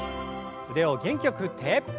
腕を元気よく振って。